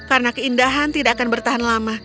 karena keindahan tidak akan bertahan lama